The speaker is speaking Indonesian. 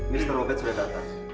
mr robert sudah datang